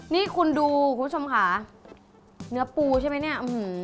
นี่คุณดูคุณผู้ชมค่ะเนื้อปูใช่ไหมเนี่ย